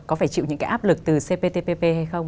có phải chịu những cái áp lực từ cptpp hay không